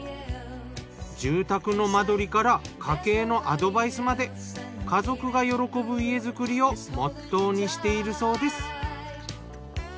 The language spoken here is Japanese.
住宅の間取りから家計のアドバイスまで家族が喜ぶ家作りをモットーにしているそうです。